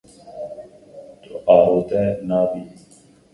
Tu arode nabî.